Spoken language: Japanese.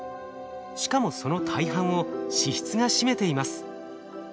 しかもその大半を脂質が占めています。